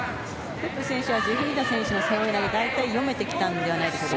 プップ選手はジュフリダ選手の背負い投げが大体、読めてきたのではないでしょうか。